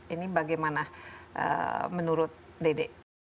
ini bagaimana menurut dede